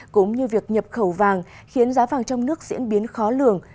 cũng như việc nhập khẩu vàng khiến giá vàng trong nước diễn biến khó lường